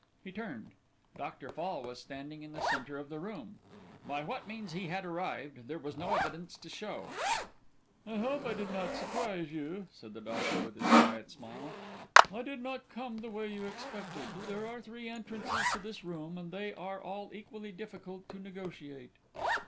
He turned; Doctor Fall was standing in the centre of the room. By what means he had arrived there was no evidence to show. "I hope I did not surprise you," said the doctor, with his quiet smile; "I did not come the way you expected. There are three entrances to this room, and they are all equally difficult to negotiate."